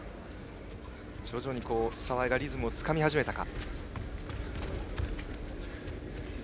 徐々に澤江がリズムをつかみ始めたか。